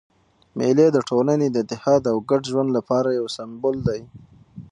مېلې د ټولني د اتحاد او ګډ ژوند له پاره یو سېمبول دئ.